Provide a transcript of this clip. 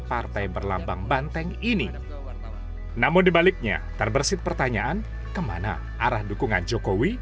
partai berlambang banteng ini namun dibaliknya terbersih pertanyaan kemana arah dukungan jokowi